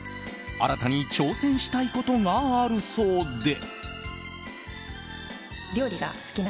新たに挑戦したいことがあるそうで。